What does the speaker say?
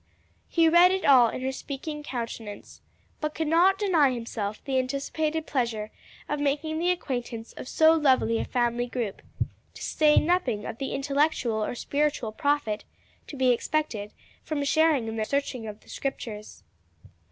He read it all in her speaking countenance, but could not deny himself the anticipated pleasure of making the acquaintance of so lovely a family group to say nothing of the intellectual or spiritual profit to be expected from sharing in their searching of the scriptures.